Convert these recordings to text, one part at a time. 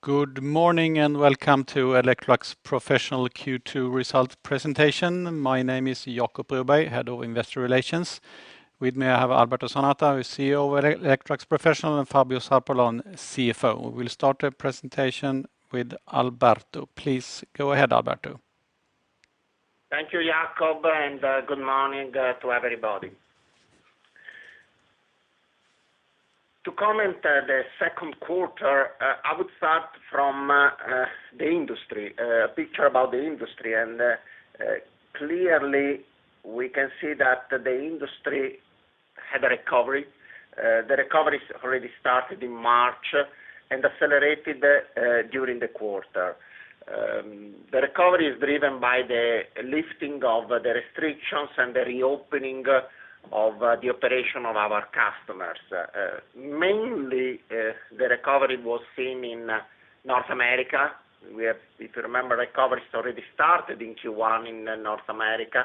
Good morning and welcome to Electrolux Professional Q2 Result Presentation. My name is Jacob Broberg, head of investor relations. With me, I have Alberto Zanata, who is CEO of Electrolux Professional, and Fabio Zarpellon, CFO. We will start the presentation with Alberto. Please go ahead, Alberto. Thank you, Jacob, and good morning to everybody. To comment the second quarter, I would start from a picture about the industry. Clearly, we can see that the industry had a recovery. The recovery's already started in March and accelerated during the quarter. The recovery is driven by the lifting of the restrictions and the reopening of the operation of our customers. Mainly, the recovery was seen in North America, where, if you remember, recovery has already started in Q1 in North America.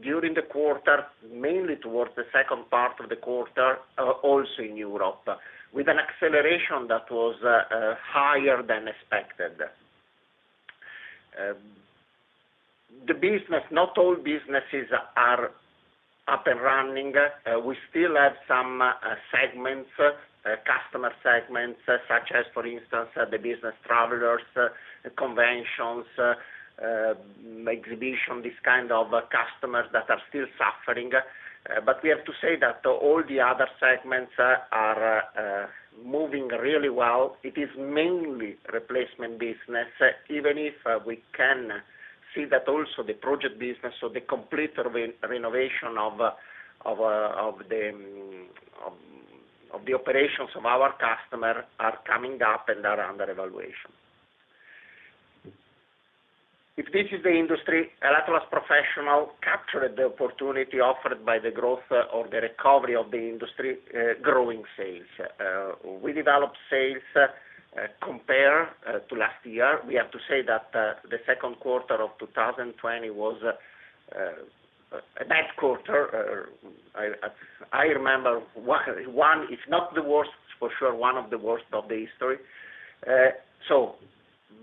During the quarter, mainly towards the second part of the quarter, also in Europe, with an acceleration that was higher than expected. Not all businesses are up and running. We still have some segments, customer segments, such as, for instance, the business travelers, conventions, exhibition, these kind of customers that are still suffering. We have to say that all the other segments are moving really well. It is mainly replacement business, even if we can see that also the project business or the complete renovation of the operations of our customer are coming up and are under evaluation. If this is the industry, Electrolux Professional captured the opportunity offered by the growth or the recovery of the industry, growing sales. We developed sales compared to last year. We have to say that the second quarter of 2020 was a bad quarter. I remember, if not the worst, for sure one of the worst of the history, so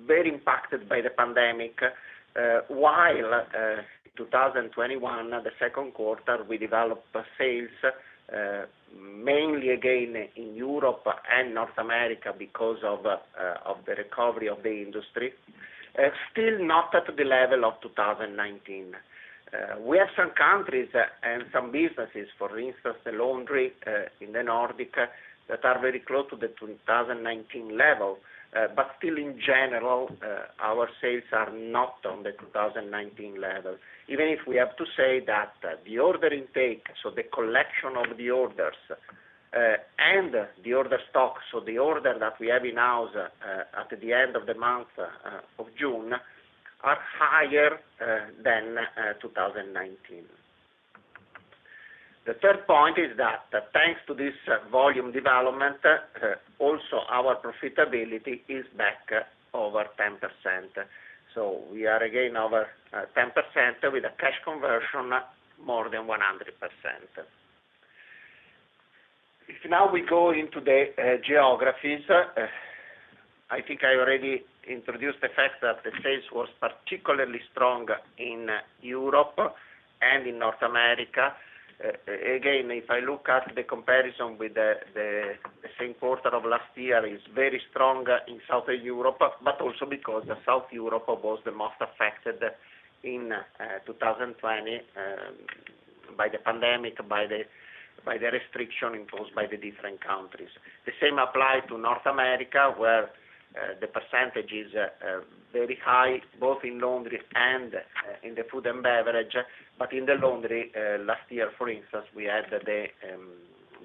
very impacted by the pandemic. While 2021, the second quarter, we developed sales mainly, again, in Europe and North America because of the recovery of the industry, and still not at the level of 2019. We have some countries and some businesses, for instance, the laundry in the Nordics, that are very close to the 2019 level. Still, in general, our sales are not on the 2019 level, even if we have to say that the order intake, so the collection of the orders and the order stocks, so the order that we have in-house at the end of the month of June, are higher than 2019. The third point is that thanks to this volume development, also our profitability is back over 10%, so we are again over 10% with a cash conversion more than 100%. Now we go into the geographies, I think I already introduced the fact that the sales was particularly strong in Europe and in North America. Again, if I look at the comparison with the same quarter of last year, is very strong in South Europe, but also because South Europe was the most affected in 2020, by the pandemic, by the restriction imposed by the different countries. The same apply to North America, where the percentage is very high, both in laundry and in the Food & Beverage. In the laundry, last year, for instance, we had the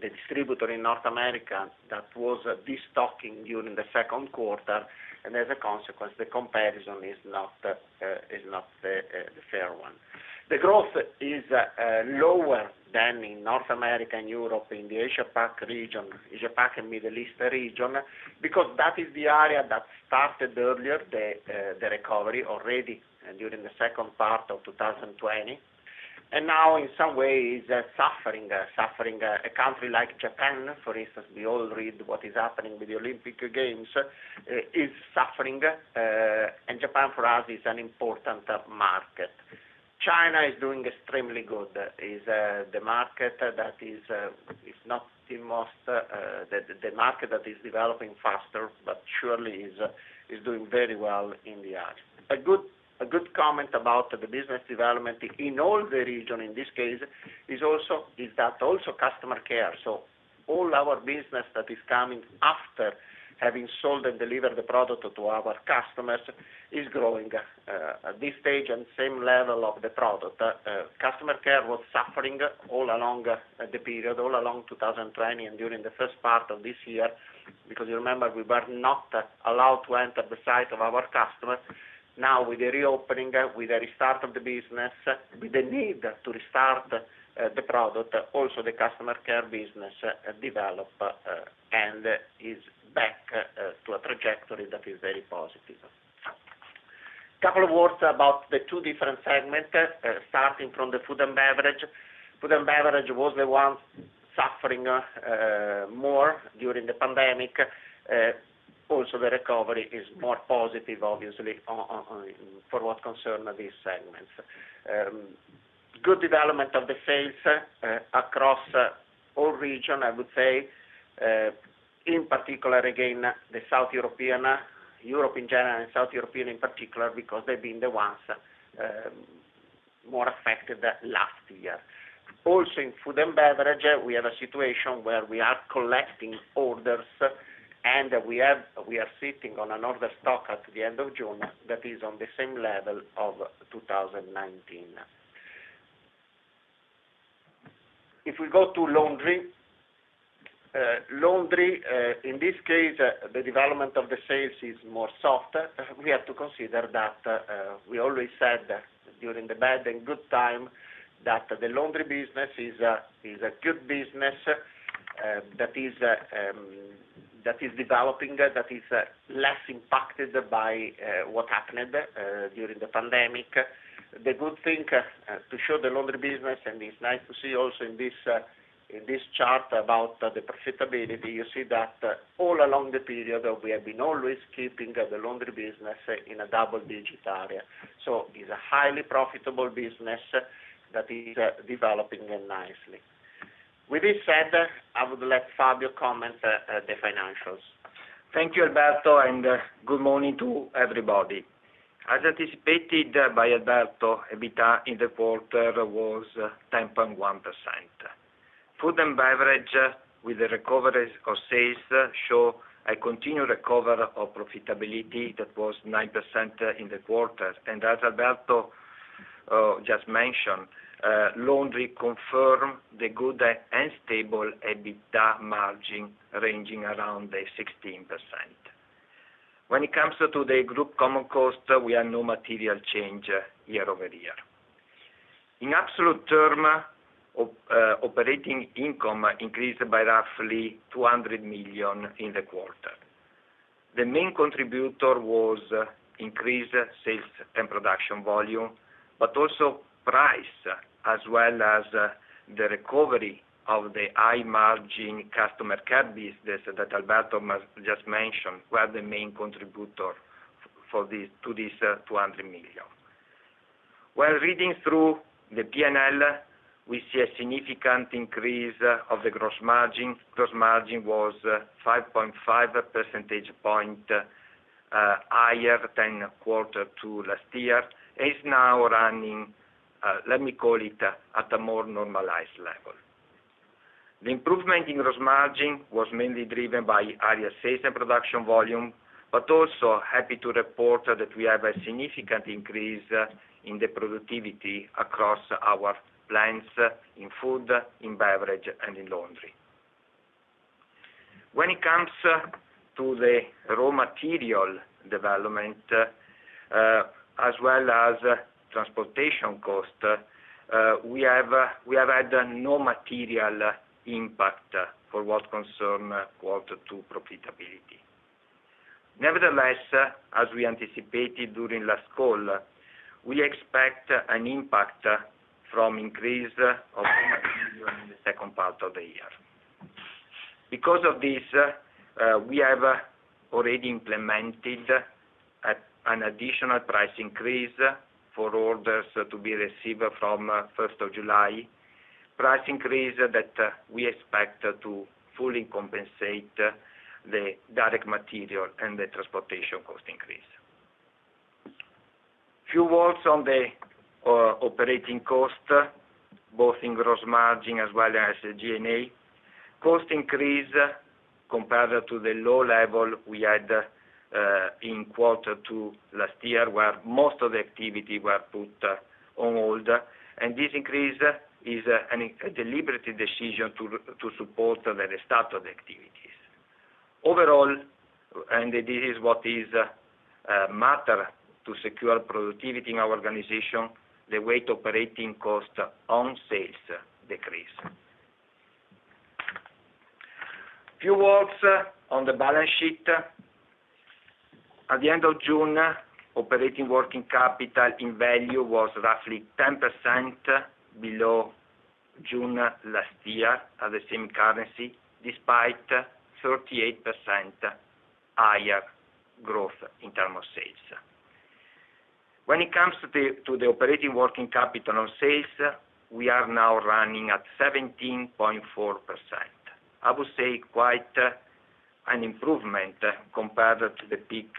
distributor in North America that was de-stocking during the second quarter, and as a consequence, the comparison is not the fair one. The growth is lower than in North America and Europe, in the Asia-Pac region, Asia-Pac and Middle East region, because that is the area that started earlier, the recovery already, and during the second part of 2020. Now, in some ways, that suffering, suffering, a country like Japan, for instance, we all read what is happening with the Olympic Games, is suffering, and Japan, for us, is an important market. China is doing extremely good. It is the market that is developing faster but surely is doing very well in the act. A good comment about the business development in all the region in this case is that also customer care. All our business that is coming after having sold and delivered the product to our customers is growing at this stage and same level of the product. Customer care was suffering all along the period, all along 2020, and during the first part of this year, because you remember, we were not allowed to enter the site of our customers. Now with the reopening, with the restart of the business, with the need to restart the product, also the customer care business develop, and is back to a trajectory that is very positive. A couple of words about the two different segments, starting from the Food and Beverage. Food and Beverage was the one suffering more during the pandemic. Also, the recovery is more positive, obviously, for what concern these segments. Good development of the sales across all region, I would say. In particular, again, the South European, Europe in general, and South European in particular, because they've been the ones more affected last year. Also, in Food and Beverage, we have a situation where we are collecting orders, and we are sitting on an order stock at the end of June, that is on the same level of 2019. If we go to laundry, laundry, in this case, the development of the sales is more soft. We have to consider that we always said during the bad and good time, that the laundry business is a good business, that is developing, that is less impacted by what happened during the pandemic. The good thing to show the laundry business, and it's nice to see also in this chart about the profitability, you see that all along the period, we have been always keeping the laundry business in a double-digit area. It's a highly profitable business that is developing nicely. With this said, I would let Fabio comment the financials. Thank you, Alberto, and good morning to everybody. As anticipated by Alberto, EBITDA in the quarter was 10.1%. Food and Beverage, with the recoveries of sales, show a continued recovery of profitability that was 9% in the quarter. As Alberto just mentioned, laundry confirm the good and stable EBITDA margin ranging around the 16%. When it comes to the group common cost, we have no material change year-over-year. In absolute term, operating income increased by roughly 200 million in the quarter. The main contributor was increased sales and production volume, but also price, as well as the recovery of the high margin customer care business that Alberto just mentioned, were the main contributor to this 200 million. While reading through the P&L, we see a significant increase of the gross margin. Gross margin was 5.5 percentage point higher than quarter two last year, is now running, let me call it, at a more normalized level. The improvement in gross margin was mainly driven by higher sales and production volume, but also happy to report that we have a significant increase in the productivity across our plants, in food, in beverage, and in laundry. When it comes to the raw material development, as well as transportation cost, we have had no material impact for what concern quarter two profitability. Nevertheless, as we anticipated during last call, we expect an impact from increase of material in the second part of the year. Because of this, we have already implemented an additional price increase for orders to be received from first of July, a price increase that we expect to fully compensate the direct material and the transportation cost increase. A few words on the operating cost, both in gross margin as well as G&A. Cost increase compared to the low level we had in quarter two last year, where most of the activity were put on hold. This increase is a deliberate decision to support the restart of the activities. Overall, and this is what is matter to secure productivity in our organization, the weight operating cost on sales decrease. A few words on the balance sheet, at the end of June, operating working capital in value was roughly 10% below June last year at the same currency, despite 38% higher growth in term of sales. When it comes to the operating working capital on sales, we are now running at 17.4%. I would say quite an improvement compared to the peak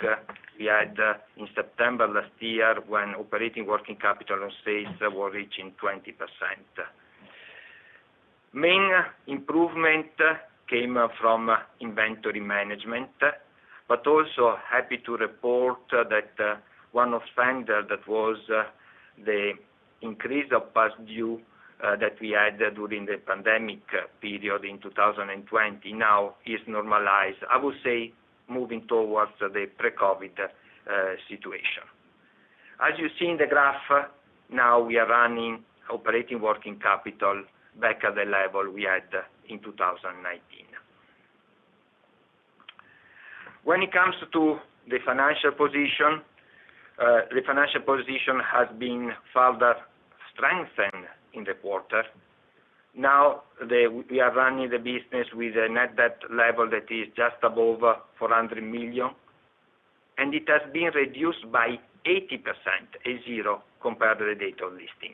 we had in September last year, when operating working capital on sales were reaching 20%. Main improvement came from inventory management, but also happy to report that one of factor that was the increase of past due that we had during the pandemic period in 2020 now is normalized, I would say, moving towards the pre-COVID situation. As you see in the graph, now we are running operating working capital back at the level we had in 2019. When it comes to the financial position, the financial position has been further strengthened in the quarter. Now we are running the business with a net debt level that is just above 400 million, and it has been reduced by 80%, a zero, compared to the date of listing.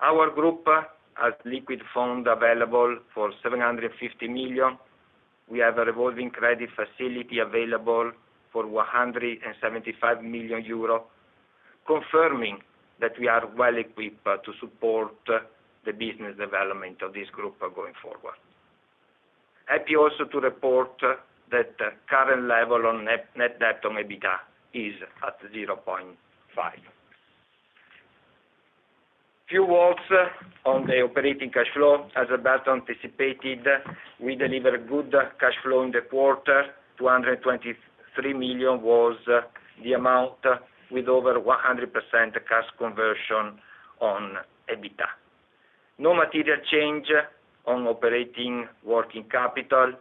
Our group has liquid funds available for 750 million. We have a revolving credit facility available for 175 million euro, confirming that we are well-equipped to support the business development of this group going forward. Happy also to report that the current level on net debt to EBITDA is at 0.5. A few words on the operating cash flow, as Alberto anticipated, we delivered good cash flow in the quarter. 223 million was the amount, with over 100% cash conversion on EBITDA. No material change on operating working capital.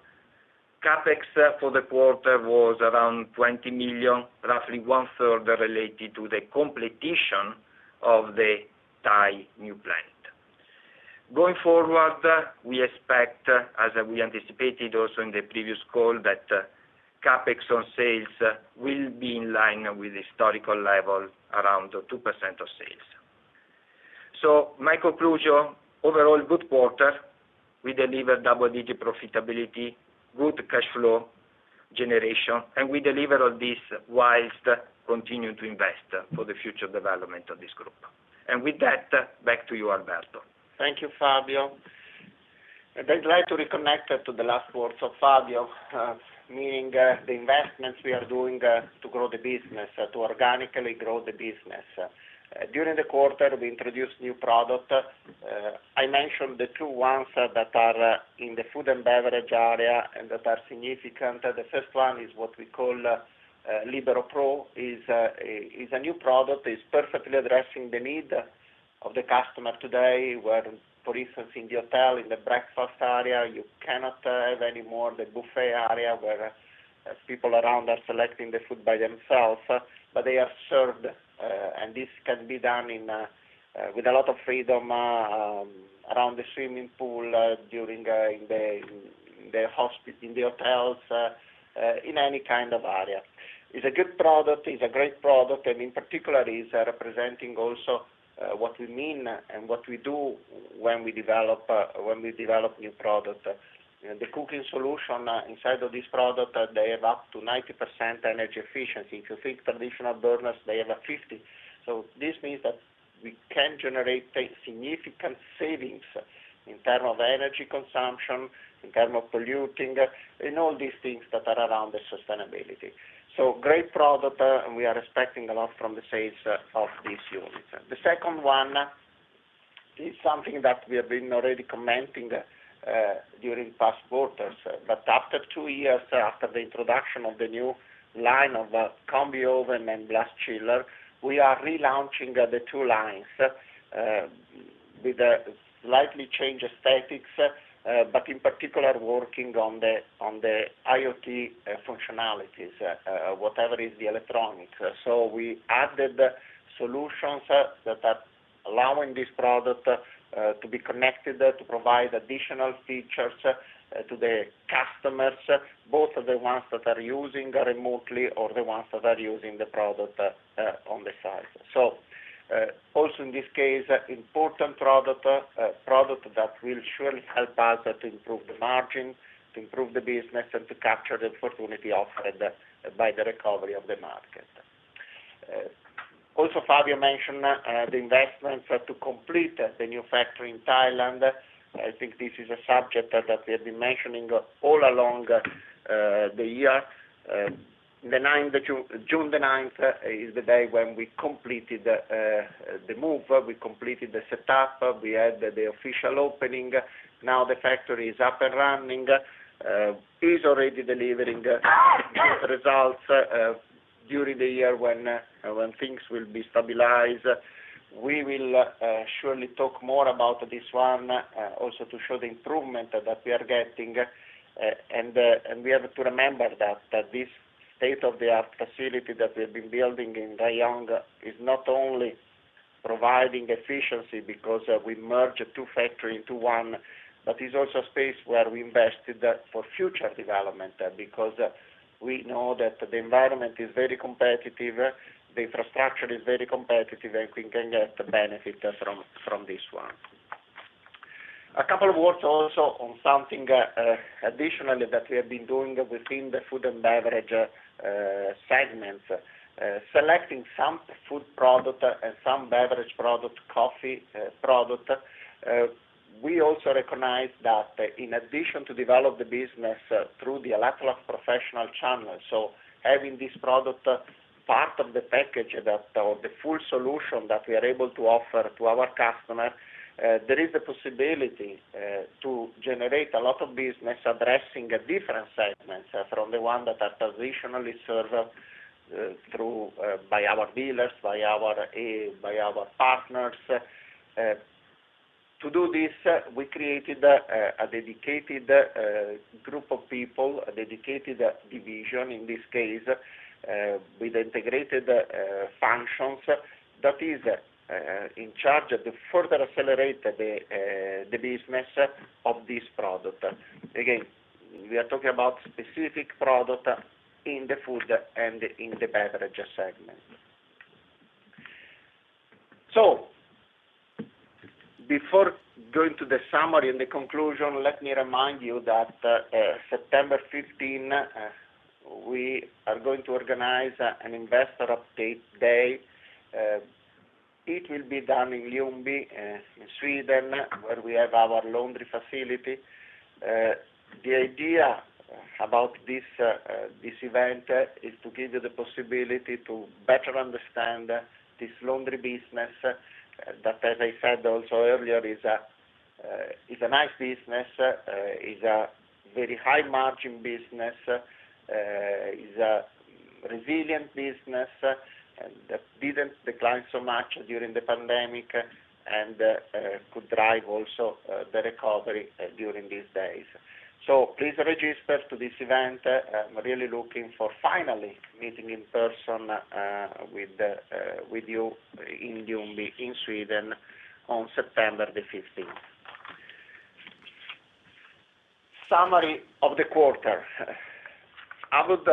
CapEx for the quarter was around 20 million, roughly 1/3 related to the completion of the Thai new plant. Going forward, we expect, as we anticipated also in the previous call, that CapEx on sales will be in line with historical levels around 2% of sales. My conclusion, overall good quarter. We delivered double-digit profitability, good cash flow generation, and we delivered all this whilst continuing to invest for the future development of this group. With that, back to you, Alberto. Thank you, Fabio. I'd like to reconnect to the last words of Fabio, meaning the investments we are doing to grow the business, to organically grow the business. During the quarter, we introduced new product. I mentioned the two ones that are in the Food and Beverage area and that are significant. The first one is what we call LiberoPro. It is a new product, it is perfectly addressing the need of the customer today, where, for instance, in the hotel, in the breakfast area, you cannot have any more the buffet area where people around are selecting the food by themselves, but they are served. This can be done with a lot of freedom around the swimming pool, in the hotels, in any kind of area. It's a good product. It's a great product, in particular, it's representing also what we mean, and what we do when we develop new product. The cooking solution inside of this product, they have up to 90% energy efficiency. If you think traditional burners, they have a 50%. This means that we can generate significant savings in term of energy consumption, in term of polluting, in all these things that are around the sustainability, so great product, and we are expecting a lot from the sales of this unit. The second one is something that we have been already commenting during past quarters, but after two years, and after the introduction of the new line of combi oven and blast chiller, we are relaunching the two lines, with a slightly changed aesthetics, but in particular, working on the IoT functionalities, whatever is the electronics. We added solutions that are allowing this product to be connected to provide additional features to the customers, both at the ones that are using remotely or the ones that are using the product on the side. Also in this case, important product that will surely help us to improve the margin, to improve the business, and to capture the opportunity offered by the recovery of the market. Also, Fabio mentioned the investments to complete the new factory in Thailand. I think this is a subject that we have been mentioning all along the year. June 9th is the day when we completed the move, we completed the setup, and we had the official opening. Now the factory is up and running. It is already delivering good results during the year when things will be stabilized. We will surely talk more about this one, also to show the improvement that we are getting. We have to remember that this state-of-the-art facility that we've been building in Rayong is not only providing efficiency because we merged two factory into one, but is also space where we invested for future development, because we know that the environment is very competitive, the infrastructure is very competitive, and we can get benefit from this one. A couple of words also on something additionally that we have been doing within the Food and Beverage segment, selecting some food product and some beverage product, coffee product. We also recognize that in addition to develop the business through the Electrolux Professional channel, so having this product part of the package that, or the full solution that we are able to offer to our customer, there is a possibility to generate a lot of business addressing different segments from the one that are traditionally served by our dealers, by our partners. To do this, we created a dedicated group of people, a dedicated division, in this case, with integrated functions that is in charge of further accelerating the business of this product. Again, we are talking about specific products in the food and in the beverage segment. Before going to the summary and the conclusion, let me remind you that on September 15, we are going to organize an Investor Update day. It will be done in Ljungby, in Sweden, where we have our laundry facility. The idea about this event is to give you the possibility to better understand this laundry business that, as I said also earlier, is a nice business, is a very high margin business, is a resilient business that didn't decline so much during the pandemic, and could drive also the recovery during these days. Please register for this event. I'm really looking forward to finally meeting in person with you in Ljungby, in Sweden, on September 15th. Summary of the quarter, I would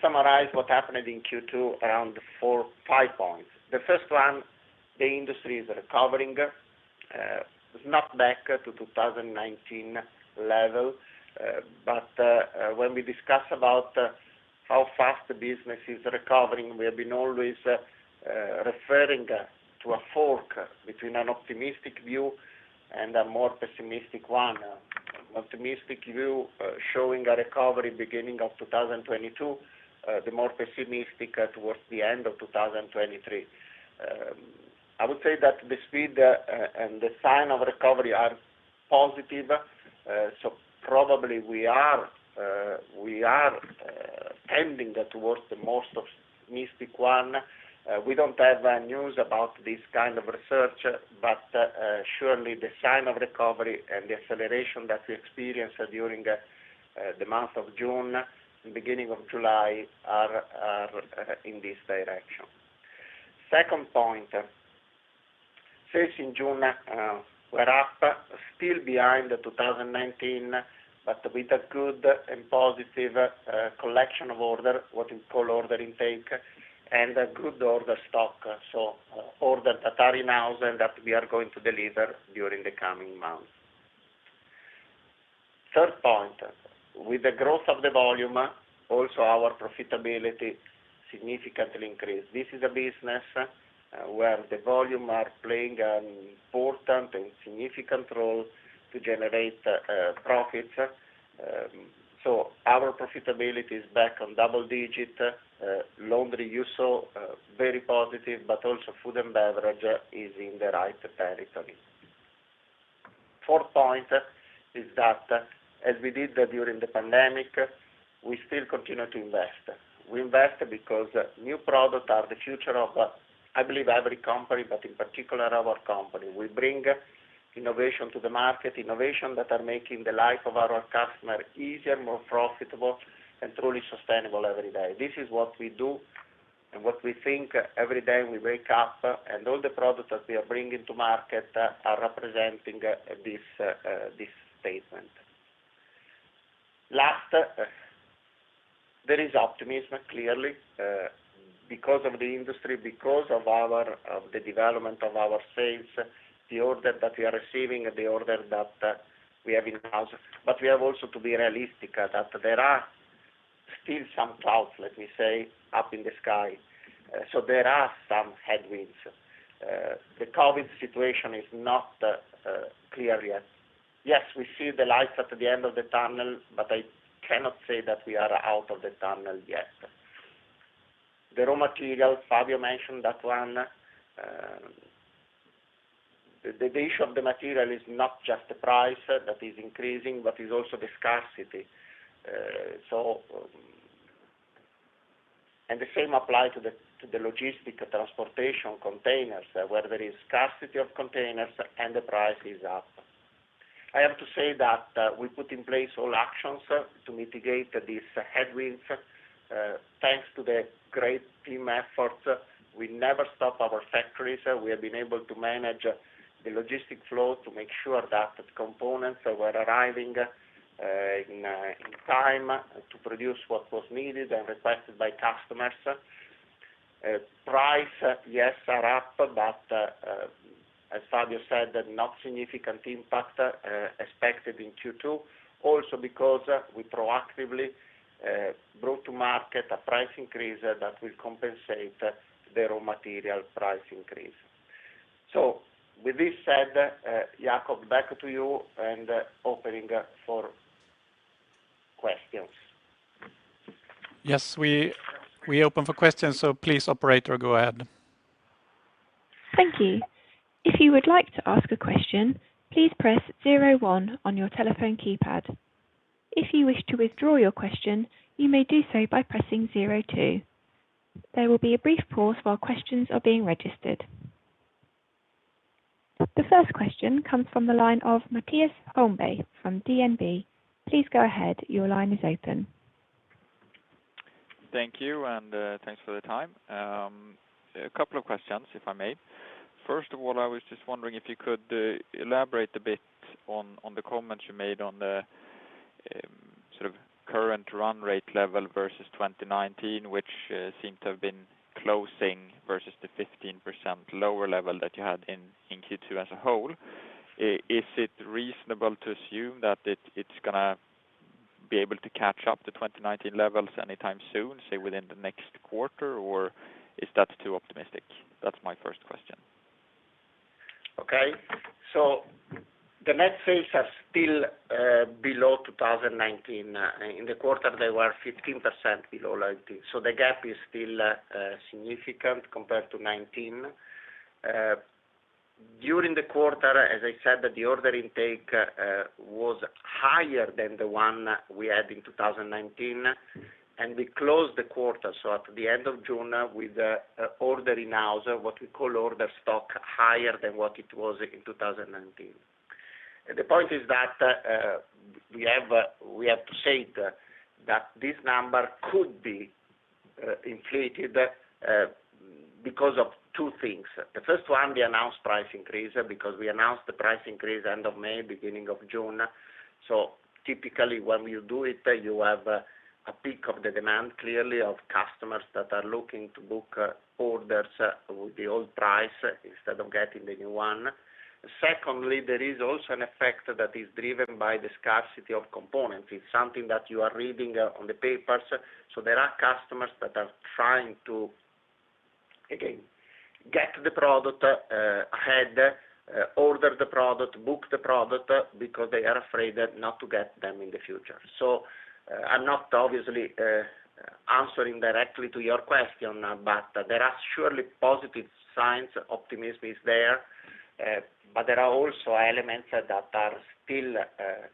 summarize what happened in Q2 around four, five points. The first one, the industry is recovering. It's not back to 2019 levels, but when we discuss about how fast the business is recovering, we have been always referring to a fork between an optimistic view and a more pessimistic one. An optimistic view showing a recovery beginning of 2022, the more pessimistic towards the end of 2023. I would say that the speed and the sign of recovery are positive, so probably, we are tending towards the most optimistic one. We don't have news about this kind of research, but surely the sign of recovery and the acceleration that we experienced during the month of June and beginning of July are in this direction. Second point, sales in June were up, still behind 2019, but with a good and positive collection of orders, what we call order intake, and a good order stock, so orders that are in-house and that we are going to deliver during the coming months. Third point, with the growth of the volume, also our profitability significantly increased. This is a business where the volume are playing an important and significant role to generate profits. Our profitability is back on double digits. Laundry, you saw, very positive, but also Food and Beverage is in the right territory. Fourth point is that, as we did during the pandemic, we still continue to invest. We invest because new products are the future of, I believe, every company, but in particular our company. We bring innovation to the market, innovation that is making the life of our customers easier, more profitable, and truly sustainable every day. This is what we do and what we think every day we wake up, and all the products that we are bringing to market are representing this statement. Last, there is optimism, clearly, because of the industry, because of the development of our sales, the orders that we are receiving, and the orders that we have in the house. We have also to be realistic that there are still some clouds, let me say, up in the sky. There are some headwinds. The COVID situation is not clear yet. Yes, we see the light at the end of the tunnel, but I cannot say that we are out of the tunnel yet. The raw materials, Fabio mentioned that one. The issue of the material is not just the price that is increasing, but is also the scarcity, and the same applies to the logistic transportation containers, where there is scarcity of containers and the price is up. I have to say that we put in place all actions to mitigate these headwinds. Thanks to the great team effort, we never stopped our factories. We have been able to manage the logistics flow to make sure that components were arriving in time to produce what was needed and requested by customers. Prices, yes, are up, but as Fabio said, not significant impact expected in Q2. Also, because we proactively brought to market a price increase that will compensate the raw material price increase. With this said, Jacob, back to you, and opening for questions. Yes, we open for questions, so please, operator, go ahead. Thank you. If you would like to ask a question, please press zero one on your telephone keypad. If you wish to withdraw your question, you may do so by pressing zero two. There will be a brief pause while questions are being registered. The first question comes from the line of Mattias Holmberg from DNB. Please go ahead. Your line is open. Thank you, and thanks for the time, so a couple of questions, if I may. First of all, I was just wondering if you could elaborate a bit on the comments you made on the sort of current run rate level versus 2019, which seemed to have been closing versus the 15% lower level that you had in Q2 as a whole. Is it reasonable to assume that it's going to be able to catch up to 2019 levels anytime soon, say, within the next quarter, or is that too optimistic? That's my first question. Okay. The net sales are still below 2019. In the quarter, they were 15% below 2019. The gap is still significant compared to 2019. During the quarter, as I said that the order intake was higher than the one we had in 2019, and we closed the quarter. At the end of June, with the order in house, what we call order stock, higher than what it was in 2019. The point is that, we have to say that this number could be inflated because of two things. The first one, the announced price increase, because we announced the price increase end of May, beginning of June. Typically, when you do it, you have a peak of the demand, clearly, of customers that are looking to book orders with the old price instead of getting the new one. Secondly, there is also an effect that is driven by the scarcity of components. It's something that you are reading on the papers. There are customers that are trying to, again, get the product ahead, order the product, book the product, because they are afraid not to get them in the future. I'm not obviously answering directly to your question, but there are surely positive signs. Optimism is there, but there are also elements that are still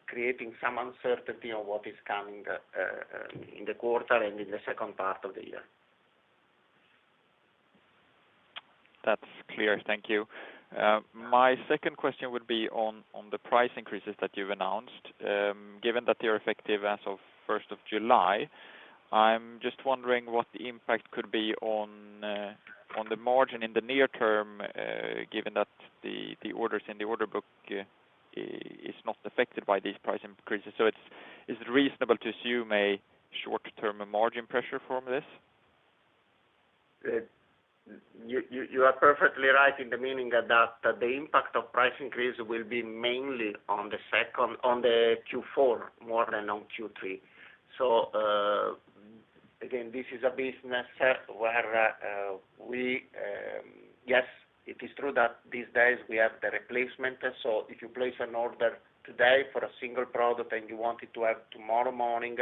creating some uncertainty on what is coming in the quarter and in the second part of the year. That's clear. Thank you. My second question would be on the price increases that you've announced, and given that they're effective as of 1st of July, I'm just wondering what the impact could be on the margin in the near term, given that the orders in the order book is not affected by these price increases. Is it reasonable to assume a short-term margin pressure from this? You are perfectly right in the meaning that the impact of price increase will be mainly on the Q4, more than on Q3. Again, this is a business where, yes, it is true that these days we have the replacement. If you place an order today for a single product, and you want it to have tomorrow morning,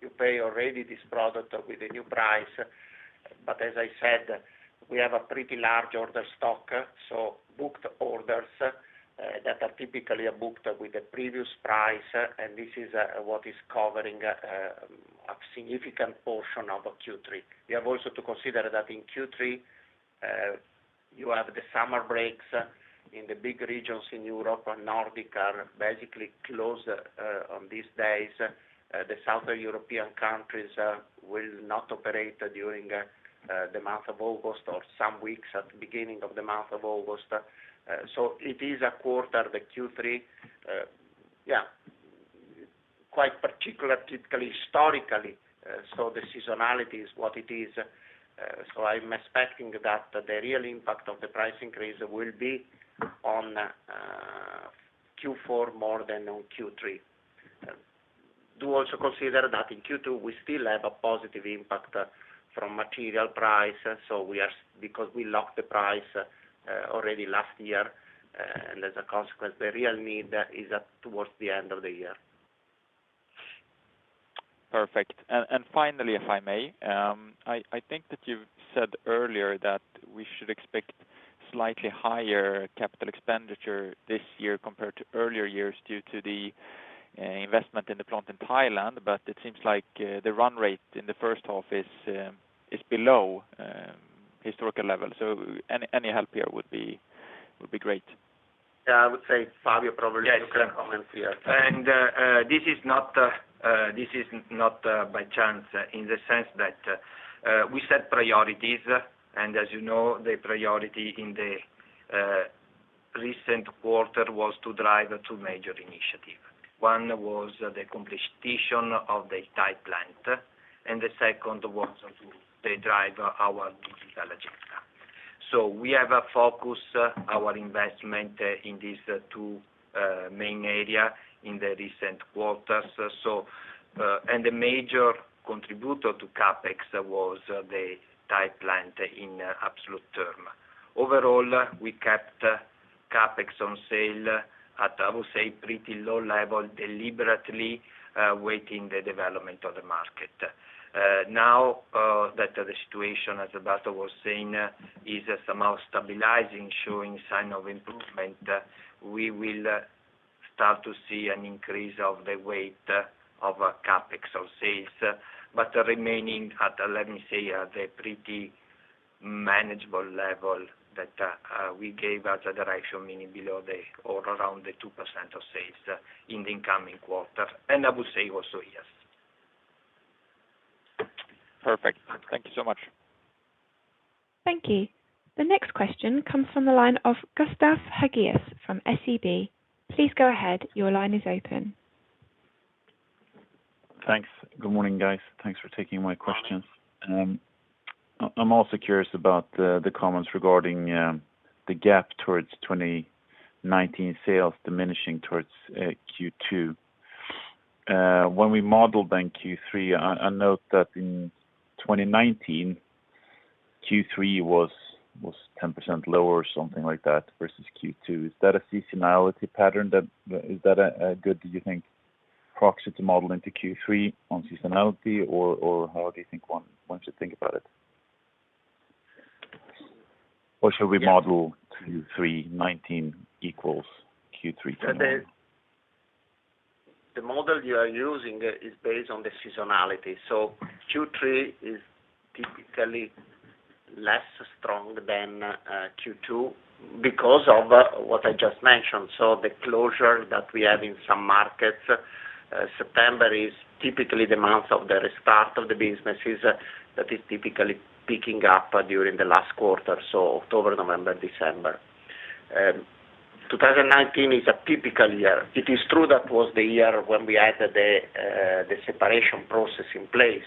you pay already this product with the new price. As I said, we have a pretty large order stock. Booked orders that are typically booked with the previous price, and this is what is covering a significant portion of Q3. We have also to consider that in Q3, you have the summer breaks in the big regions in Europe and Nordics are basically closed on these days. The Southern European countries will not operate during the month of August or some weeks at the beginning of the month of August. It is a quarter, the Q3, yeah, quite particular, typically, historically. The seasonality is what it is so I'm expecting that the real impact of the price increase will be on Q4 more than on Q3. We do also consider that in Q2, we still have a positive impact from material price, because we locked the price already last year, and as a consequence, the real need is towards the end of the year. Perfect, and, finally, if I may, I think that you said earlier that we should expect slightly higher capital expenditure this year compared to earlier years due to the investment in the plant in Thailand. It seems like the run rate in the first half is below historical levels. Any help here would be great. Yeah, I would say Fabio probably can comment here. This is not by chance in the sense that we set priorities, and as you know, the priority in the recent quarter was to drive two major initiatives. One was the completion of the Thai plant and the second was to drive our digital agenda. We have a focus our investment in these two main areas in the recent quarters and the major contributor to CapEx was the Thai plant in absolute term. Overall, we kept CapEx on sale at, I would say, pretty low level, deliberately waiting the development of the market. Now that the situation, as Alberto was saying, is somehow stabilizing, showing sign of improvement, we will start to see an increase of the weight of our CapEx of sales, but remaining at, let me say, at a pretty manageable level that we gave as a direction, meaning below or around the 2% of sales in the incoming quarter, and I would say also, yes. Perfect. Thank you so much. Thank you. The next question comes from the line of Gustav Hagéus from SEB. Please go ahead. Your line is open. Thanks. Good morning, guys, and thanks for taking my questions. I'm also curious about the comments regarding the gap towards 2019 sales diminishing towards Q2. When we modeled Q3, I note that in 2019, Q3 was 10% lower or something like that versus Q2. Is that a seasonality pattern? Is that a good, do you think, proxy to model into Q3 on seasonality or how do you think one should think about it or should we model Q3 2019 equals Q3? The model you are using is based on the seasonality. Q3 is typically less strong than Q2 because of what I just mentioned. The closure that we have in some markets, September is typically the month of the restart of the businesses that is typically picking up during the last quarter, so October, November, December. 2019 is a typical year. It is true that was the year when we had the separation process in place,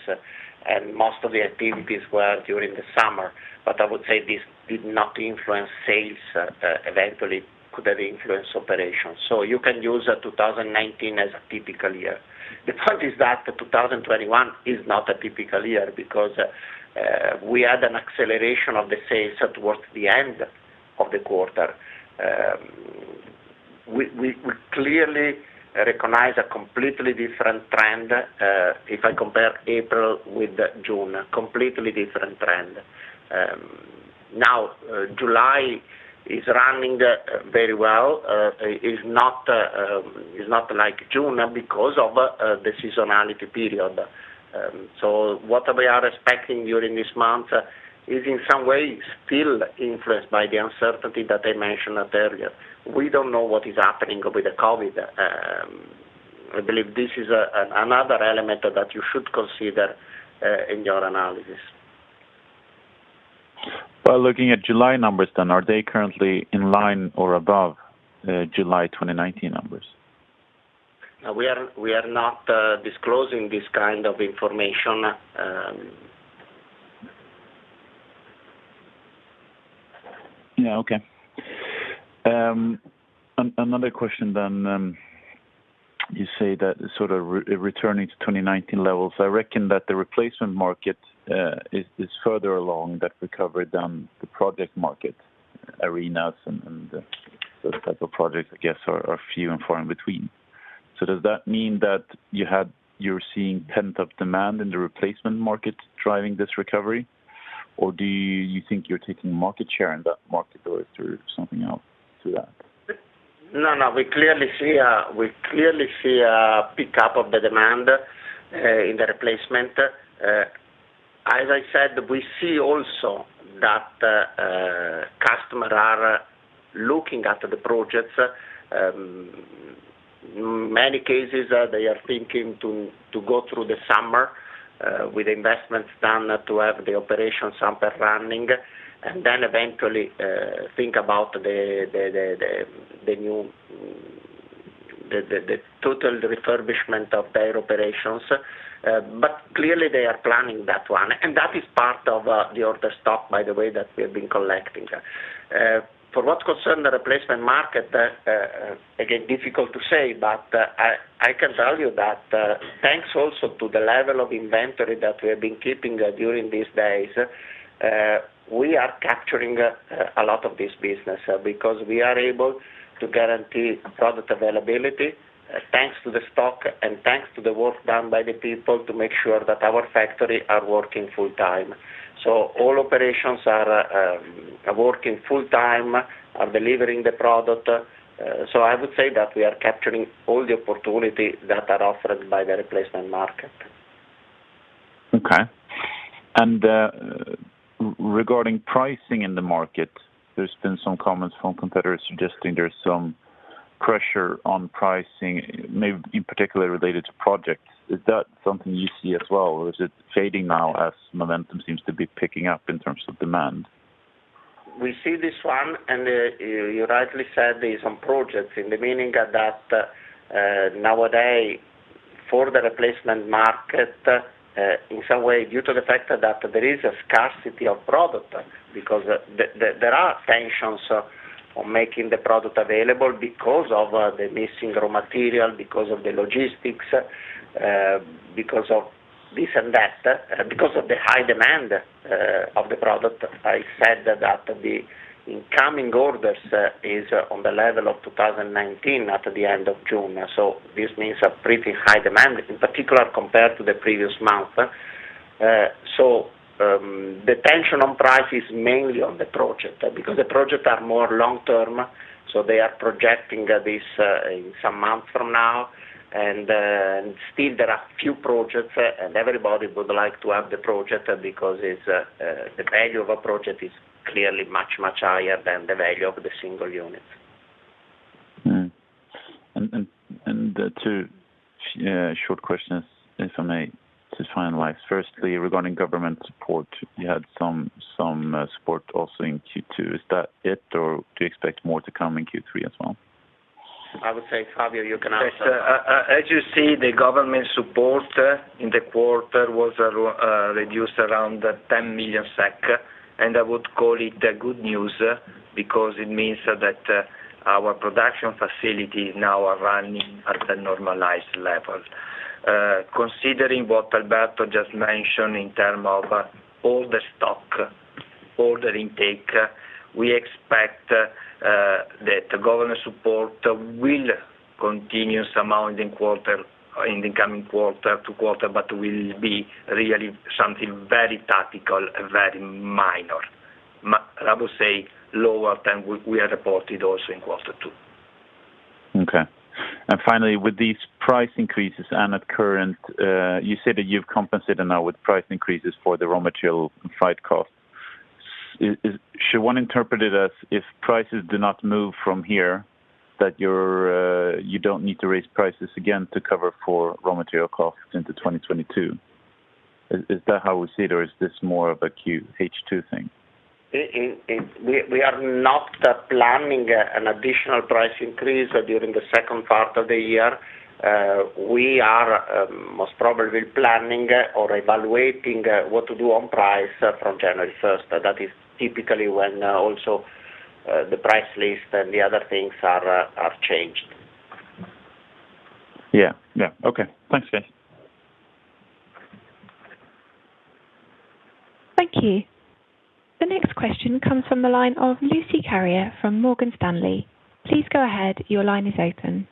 and most of the activities were during the summer, but I would say this did not influence sales eventually, could have influenced operations. You can use 2019 as a typical year. The point is that 2021 is not a typical year because we had an acceleration of the sales towards the end of the quarter. We clearly recognize a completely different trend, if I compare April with June, a completely different trend. Now, July is running very well. It's not like June because of the seasonality period. What we are expecting during this month is in some way still influenced by the uncertainty that I mentioned earlier. We don't know what is happening with the COVID. I believe this is another element that you should consider in your analysis. Well, looking at July numbers then, are they currently in line or above July 2019 numbers? We are not disclosing this kind of information. Yeah, okay, another question then. You say that sort of returning to 2019 levels, I reckon that the replacement market is further along that recovery than the project market, arenas and those type of projects, I guess are few and far in between. Does that mean that you're seeing pent-up demand in the replacement market driving this recovery or do you think you're taking market share in that market or through something else to that? No, no, we clearly see a pick up of the demand in the replacement. As I said, we see also that customers are looking at the projects. Many cases, they are thinking to go through the summer with investments done to have the operations up and running, and then eventually think about the total refurbishment of their operations. Clearly, they are planning that one, and that is part of the order stock, by the way, that we have been collecting. For what concern the replacement market, again, difficult to say, but I can tell you that thanks also to the level of inventory that we have been keeping during these days, we are capturing a lot of this business because we are able to guarantee product availability. Thanks to the stock and thanks to the work done by the people to make sure that our factory are working full time. All operations are working full time, are delivering the product, so I would say that we are capturing all the opportunity that are offered by the replacement market. Okay, and regarding pricing in the market, there's been some comments from competitors suggesting there's some pressure on pricing, maybe in particular related to projects. Is that something you see as well, or is it fading now as momentum seems to be picking up in terms of demand? We see this one, and you rightly said there is some projects, in the meaning that nowadays for the replacement market, in some way due to the fact that there is a scarcity of product because there are tensions on making the product available because of the missing raw material, because of the logistics, because of this and that, because of the high demand of the product, as I said that the incoming orders is on the level of 2019, at the end of June. This means a pretty high demand, in particular, compared to the previous month. The tension on price is mainly on the project, because the projects are more long-term, so they are projecting this in some months from now, and still there are few projects, and everybody would like to have the project because the value of a project is clearly much, much higher than the value of the single unit. Two short questions, if I may, to finalize. Firstly, regarding government support, you had some support also in Q2. Is that it or do you expect more to come in Q3 as well? I would say, Fabio, you can answer. As you see, the government support in the quarter was reduced around 10 million SEK, and I would call it good news, because it means that our production facilities now are running at a normalized level. Considering what Alberto just mentioned in term of order stock, order intake, we expect that the government support will continue somehow in the coming quarter or two quarters, but will be really something very tactical and very minor. I would say lower than we had reported also in quarter two. Okay. Finally, with these price increases, you say that you've compensated now with price increases for the raw material and freight cost. Should one interpret it as if prices do not move from here, that you don't need to raise prices again to cover for raw material costs into 2022? Is that how we see it or is this more of a H2 thing? We are not planning an additional price increase during the second part of the year. We are most probably planning or evaluating what to do on price from January 1st. That is typically when also the price list and the other things are changed. Yeah, okay, thanks, guys. Thank you. The next question comes from the line of Lucie Carrier from Morgan Stanley. Please go ahead. Your line is open.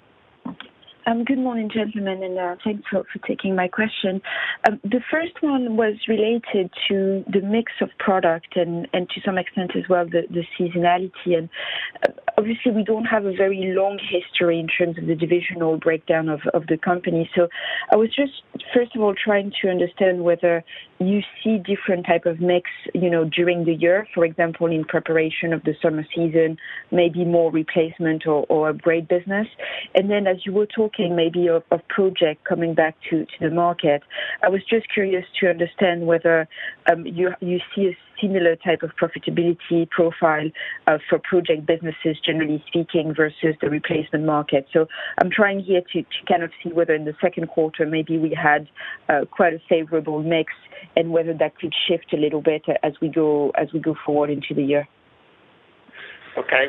Good morning, gentlemen, and thanks for taking my question. The first one was related to the mix of product and to some extent as well, the seasonality. Obviously, we don't have a very long history in terms of the divisional breakdown of the company, so I was just, first of all, trying to understand whether you see different type of mix, you know, during the year, for example, in preparation of the summer season, maybe more replacement or upgrade business. As you were talking, maybe of project coming back to the market, I was just curious to understand whether you see a similar type of profitability profile for project businesses, generally speaking, versus the replacement market. I'm trying here to kind of see whether in the second quarter maybe we had quite a favorable mix and whether that could shift a little bit as we go forward into the year. Okay,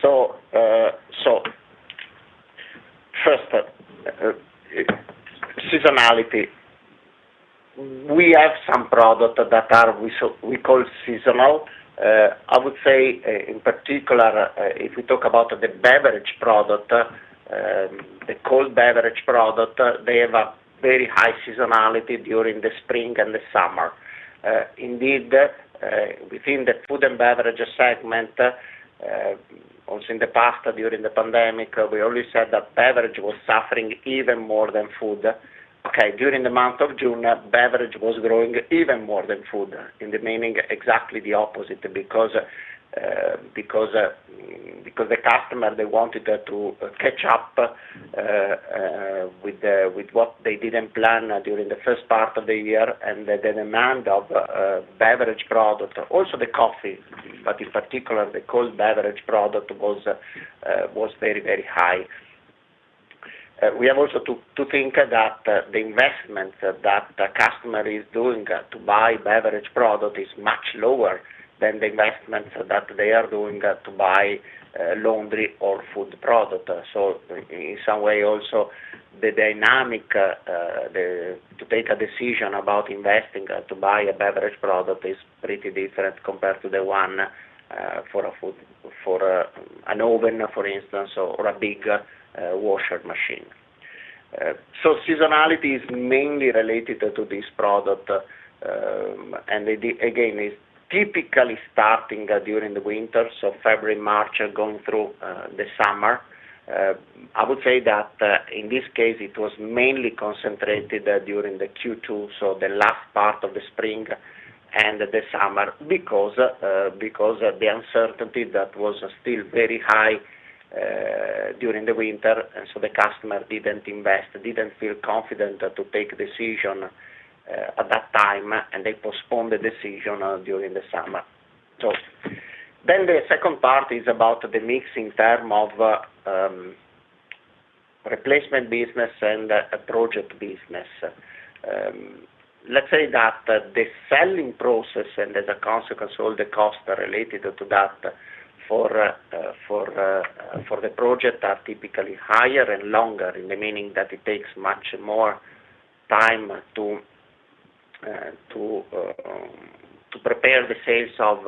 so first, seasonality. We have some product that we call seasonal. I would say, in particular, if we talk about the beverage product, the cold beverage product, they have a very high seasonality during the spring and the summer. Indeed, within the Food and Beverage segment, also in the past, during the pandemic, we always said that beverage was suffering even more than food. Okay, during the month of June, beverage was growing even more than food, in the meaning exactly the opposite, because the customer, they wanted to catch up with what they didn't plan during the first part of the year, and the demand of beverage product, also the coffee, but in particular, the cold beverage product, was very, very high. We have also to think that the investment that the customer is doing to buy beverage product is much lower than the investments that they are doing to buy laundry or food product. In some way, also, the dynamic to take a decision about investing to buy a beverage product is pretty different compared to the one for an oven, for instance, or a big washer machine. Seasonality is mainly related to this product, and again, it's typically starting during the winter, so February, March, and going through the summer. I would say that in this case, it was mainly concentrated during the Q2, so the last part of the spring and the summer, because the uncertainty that was still very high during the winter, and so the customer didn't invest, didn't feel confident to take decision at that time, and they postponed the decision during the summer. The second part is about the mix in term of replacement business and a project business. Let's say that the selling process and as a consequence, all the costs related to that for the project are typically higher and longer, in the meaning that it takes much more time to prepare the sales of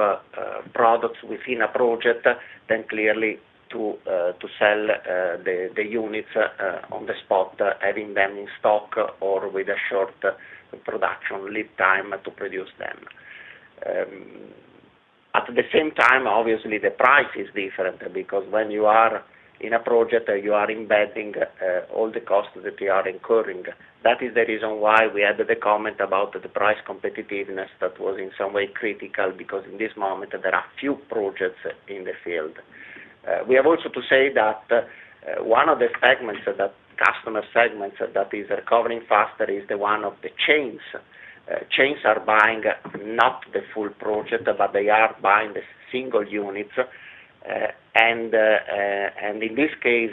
products within a project than clearly to sell the units on the spot, having them in stock or with a short production lead time to produce them. At the same time, obviously, the price is different, because when you are in a project, you are embedding all the costs that you are incurring. That is the reason why we added the comment about the price competitiveness that was in some way critical, because in this moment, there are few projects in the field. We have also to say that one of the customer segments that is recovering faster is the one of the chains. Chains are buying not the full project, but they are buying the single units. In this case,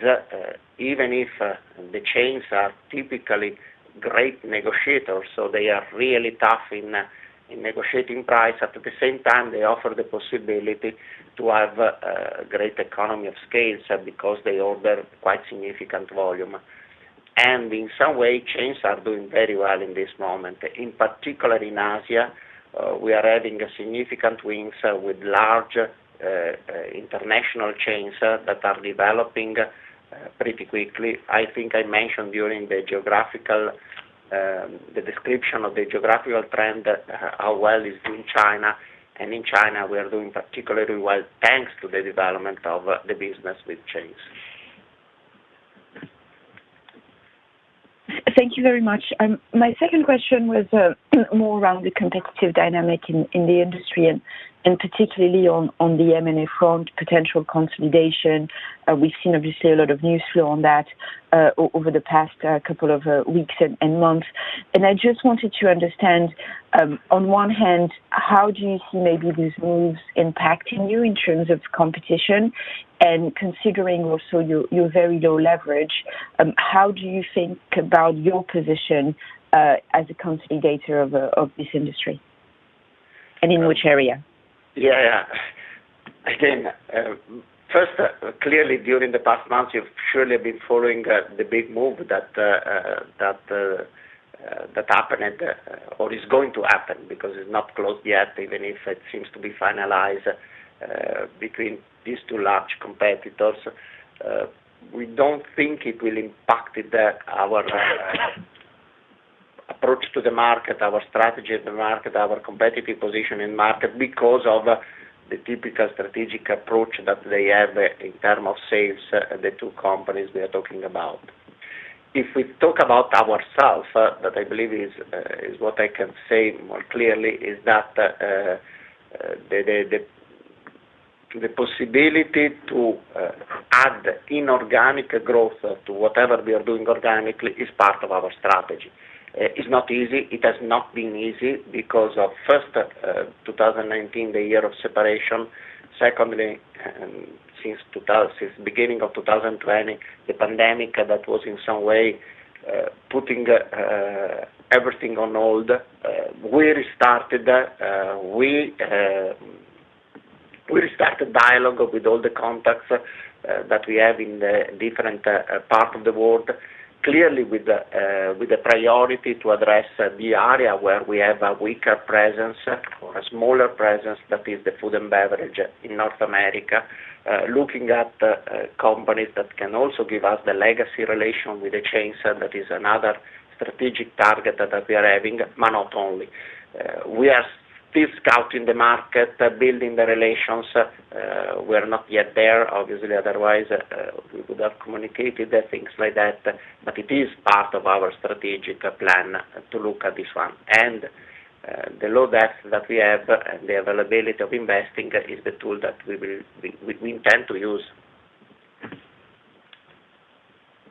even if the chains are typically great negotiators, so they are really tough in negotiating price, at the same time, they offer the possibility to have a great economy of scale, because they order quite significant volume. In some way, chains are doing very well in this moment. In particular, in Asia, we are having significant wins with large international chains that are developing pretty quickly. I think I mentioned during the description of the geographical trend, how well is doing China. In China, we are doing particularly well thanks to the development of the business with chains. Thank you very much. My second question was more around the competitive dynamic in the industry and particularly on the M&A front, potential consolidation. We've seen, obviously, a lot of news flow on that over the past couple of weeks and months, and I just wanted to understand, on one hand, how do you see maybe these moves impacting you in terms of competition? Considering also your very low leverage, how do you think about your position as a consolidator of this industry, and in which area? Yeah, again, first, clearly during the past months, you've surely been following the big move that happened or is going to happen, because it's not closed yet, even if it seems to be finalized between these two large competitors. We don't think it will impact our approach to the market, our strategy at the market, our competitive position in market, because of the typical strategic approach that they have in term of sales, the two companies we are talking about. If we talk about ourselves, that I believe is what I can say more clearly, is that the possibility to add inorganic growth to whatever we are doing organically is part of our strategy. It's not easy. It has not been easy because of, first, 2019, the year of separation, and secondly, since beginning of 2020, the pandemic that was in some way putting everything on hold. We restarted dialogue with all the contacts that we have in the different part of the world, clearly with the priority to address the area where we have a weaker presence or a smaller presence, that is the Food and Beverage in North America. Looking at companies that can also give us the legacy relation with the chains, and that is another strategic target that we are having, but not only. We are still scouting the market, building the relations. We are not yet there, obviously, otherwise, we would have communicated things like that. It is part of our strategic plan to look at this one. The low debt that we have and the availability of investing is the tool that we intend to use.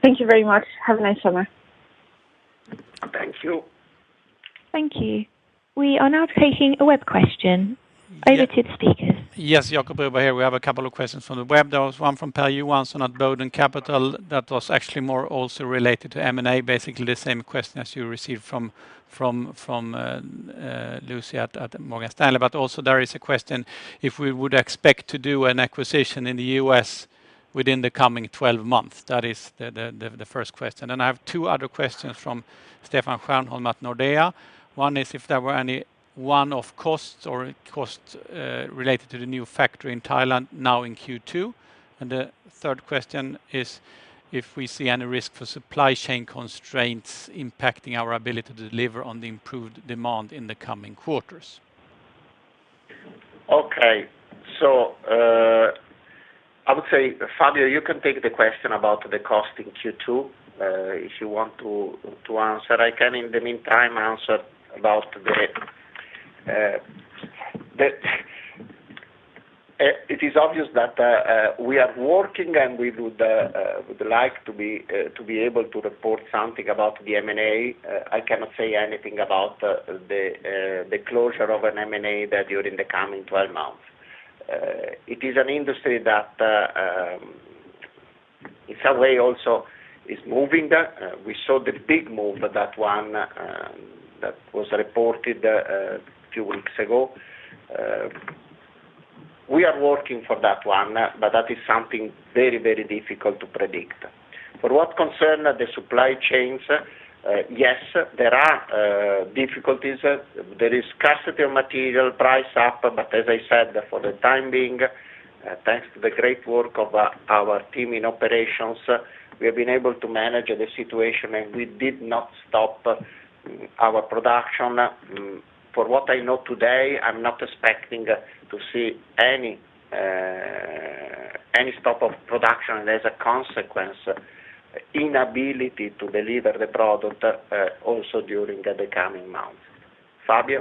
Thank you very much, have a nice summer. Thank you. Thank you. We are now taking a web question. Over to the speakers. Yes, Jacob over here. We have a couple of questions from the web. There was one from Per Johansson at Boden Capital, that was actually more also related to M&A, basically the same question as you received from Lucie Carrier at Morgan Stanley. There is a question, if we would expect to do an acquisition in the U.S. within the coming 12 months, that is the first question. I have two other questions from Stefan Stjernholm at Nordea. One is if there were any one-off costs or cost related to the new factory in Thailand now in Q2, and the third question is if we see any risk for supply chain constraints impacting our ability to deliver on the improved demand in the coming quarters. Okay, so I would say, Fabio, you can take the question about the cost in Q2, if you want to answer. I can, in the meantime, answer. It is obvious that we are working and we would like to be able to report something about the M&A. I cannot say anything about the closure of an M&A during the coming 12 months. It is an industry that, in some way also is moving. We saw the big move, that one that was reported a few weeks ago. We are working for that one, but that is something very, very difficult to predict. For what concern the supply chains, yes, there are difficulties. There is scarcity of material, price up, but as I said, for the time being, thanks to the great work of our team in operations, we have been able to manage the situation, and we did not stop our production. For what I know today, I'm not expecting to see any stop of production and, as a consequence, inability to deliver the product also during the coming months. Fabio?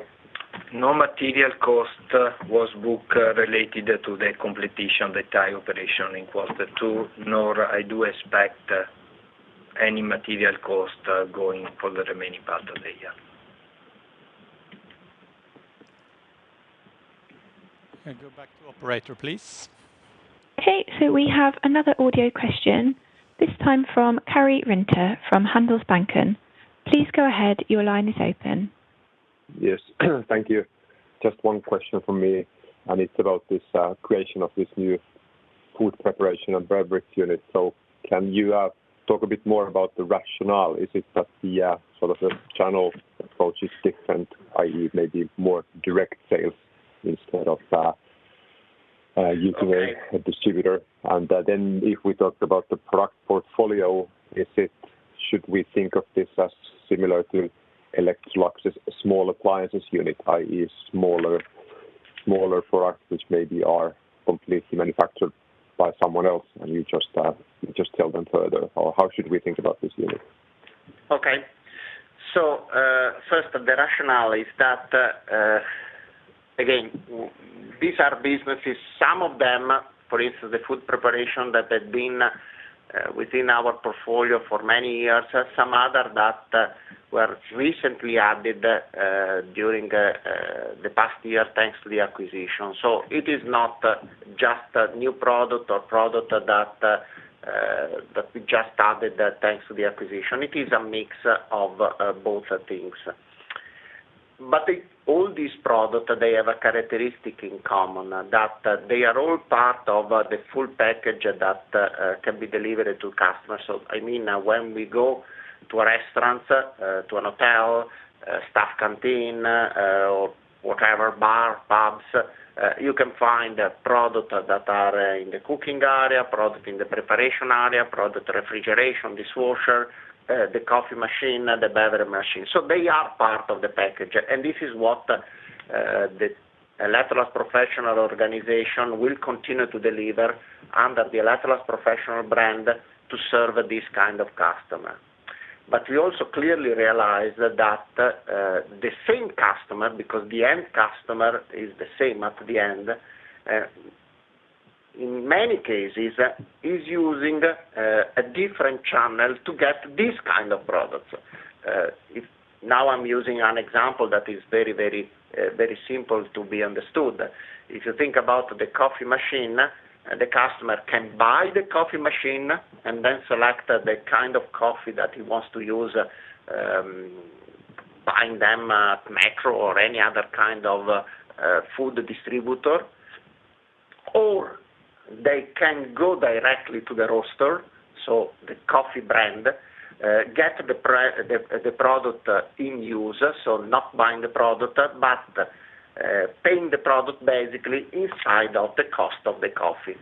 No material cost was booked related to the competition, the Thai operation in quarter two, nor I do expect any material cost going for the remaining part of the year. Can I go back to operator, please? Okay, we have another audio question, this time from Karri Rinta from Handelsbanken. Please go ahead. Your line is open. Yes, thank you, just one question from me, and it's about this creation of this new food preparation and beverages unit. Can you talk a bit more about the rationale? Is it that the channel approach is different, i.e., maybe more direct sales instead of using a distributor? Then, if we talked about the product portfolio, should we think of this as similar to Electrolux small appliances unit, i.e., smaller products which maybe are completely manufactured by someone else and you just sell them further? How should we think about this unit? Okay, so first, the rationale is that, again, these are businesses, some of them, for instance, the food preparation that had been within our portfolio for many years, some other that were recently added during the past year thanks to the acquisition. It is not just a new product or product that we just added thanks to the acquisition. It is a mix of both things. All these products, they have a characteristic in common, that they are all part of the full package that can be delivered to customers. I mean, when we go to a restaurant, to an hotel, staff canteen, or whatever, bar, pubs, you can find products that are in the cooking area, product in the preparation area, product refrigeration, dishwasher, the coffee machine, and the beverage machine. They are part of the package, and this is what the Electrolux Professional organization will continue to deliver under the Electrolux Professional brand to serve this kind of customer. We also clearly realize that the same customer, because the end customer is the same at the end, in many cases, is using a different channel to get this kind of product. Now I'm using an example that is very simple to be understood. If you think about the coffee machine, the customer can buy the coffee machine and then select the kind of coffee that he wants to use, buying them at Metro or any other kind of food distributor, or they can go directly to the roaster, so the coffee brand, get the product in use, so not buying the product, but paying the product basically inside of the cost of the coffee.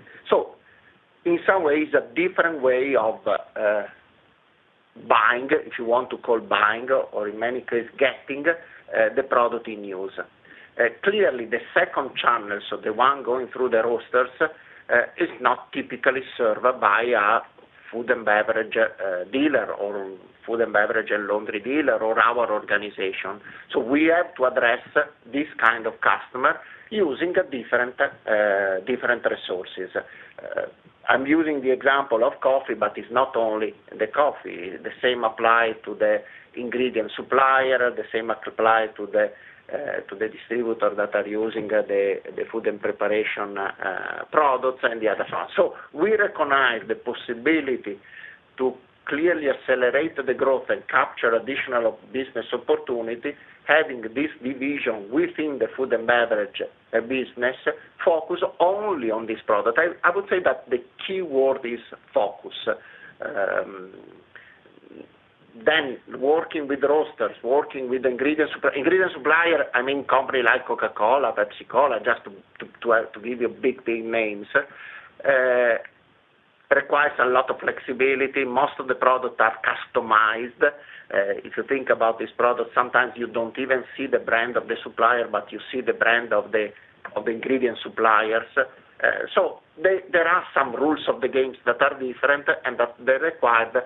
In some ways, a different way of buying, if you want to call buying, or in many cases, getting the product in use. Clearly, the second channel, so the one going through the roasters, is not typically served by a Food and Beverage dealer or Food and Beverage and laundry dealer or our organization. We have to address this kind of customer using different resources. I'm using the example of coffee, but it's not only the coffee. The same apply to the ingredient supplier or the same apply to the distributor that are using the food and preparation products and the other ones. We recognize the possibility to clearly accelerate the growth and capture additional business opportunity, having this division within the Food & Beverage business focus only on this product. I would say that the key word is focus. Then working with roasters, working with ingredient supplier, I mean a company like Coca-Cola, Pepsi-Cola, just to give you big names, requires a lot of flexibility. Most of the products are customized. If you think about this product, sometimes you don't even see the brand of the supplier, but you see the brand of the ingredient suppliers. There are some rules of the games that are different, and that they require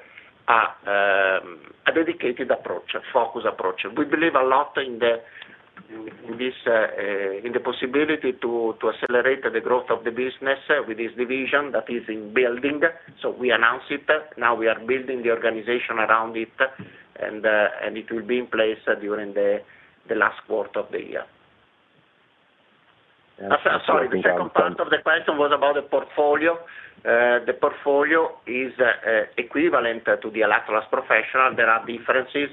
a dedicated approach, a focused approach. We believe a lot in the possibility to accelerate the growth of the business with this division that is in building. We announce it. Now we are building the organization around it and it will be in place during the last quarter of the year. Sorry, the second part of the question was about the portfolio. The portfolio is equivalent to the Electrolux Professional. There are differences,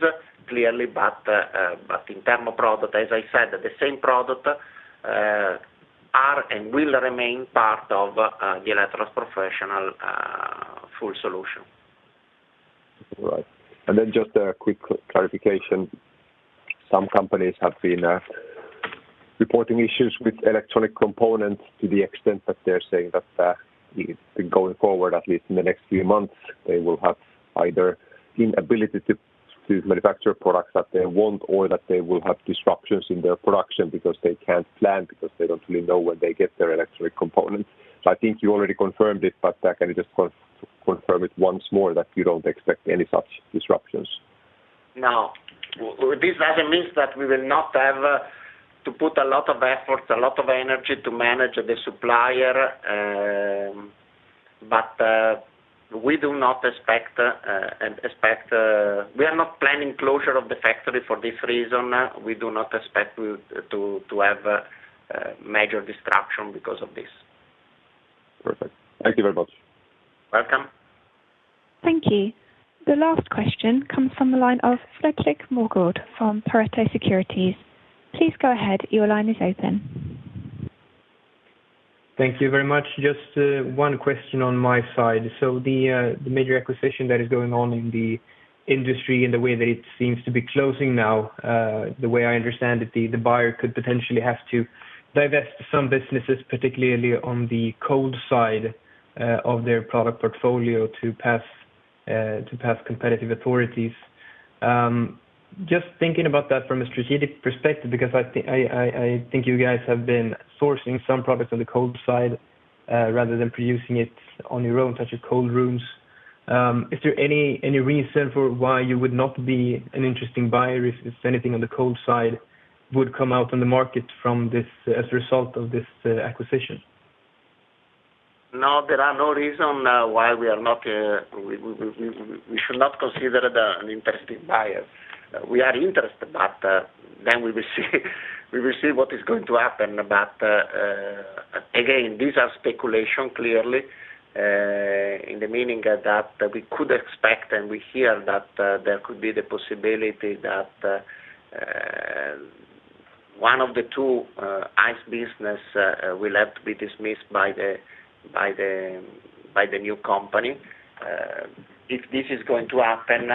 clearly, but internal product, as I said, the same product are and will remain part of the Electrolux Professional full solution. Right and then just a quick clarification. Some companies have been reporting issues with electronic components to the extent that they're saying that going forward, at least in the next few months, they will have either inability to manufacture products that they want or that they will have disruptions in their production because they can't plan, because they don't really know when they get their electronic components, so I think you already confirmed it, but can you just confirm it once more that you don't expect any such disruptions? No. This doesn't mean that we will not have to put a lot of efforts, a lot of energy to manage the supplier. We are not planning closure of the factory for this reason. We do not expect to have major disruption because of this. Perfect, thank you very much. Welcome. Thank you. The last question comes from the line of Fredrik Moregård from Pareto Securities. Please go ahead. Your line is open. Thank you very much and just one question on my side. The major acquisition that is going on in the industry and the way that it seems to be closing now, the way I understand it, the buyer could potentially have to divest some businesses, particularly on the cold side of their product portfolio to pass competitive authorities. Thinking about that from a strategic perspective, because I think you guys have been sourcing some products on the cold side, rather than producing it on your own, such as cold rooms. Is there any reason for why you would not be an interesting buyer if anything on the cold side would come out on the market from this as a result of this acquisition? No, there are no reason why we should not consider an interesting buyer. We are interested but we will see what is going to happen. Again, these are speculation, clearly, in the meaning that we could expect, and we hear that there could be the possibility that one of the two ice business will have to be dismissed by the new company. If this is going to happen,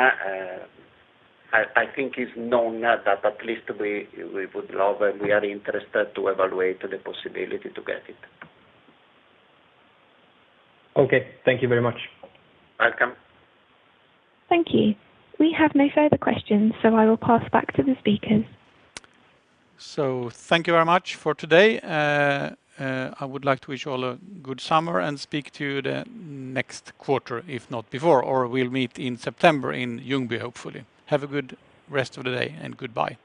I think it's known that at least we would love and we are interested to evaluate the possibility to get it. Okay. Thank you very much. Welcome. Thank you. We have no further questions so I will pass back to the speakers. Thank you very much for today. I would like to wish you all a good summer and speak to you the next quarter, if not before, or we'll meet in September in Ljungby, hopefully, have a good rest of the day, and goodbye.